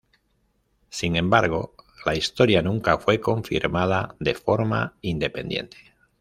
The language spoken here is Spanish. Sin embargo la historia nunca fue confirmada de forma independiente.